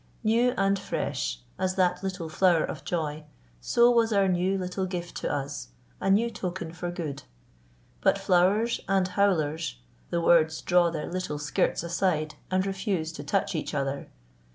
New and fresh as that little flower of joy, so was our new little gift to us, a new token for good. But flowers and howlers the words draw their little skirts aside and refuse to touch each other.